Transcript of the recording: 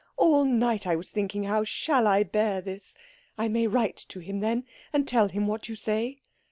All night I was thinking how shall I bear this? I may write to him, then, and tell him what you say?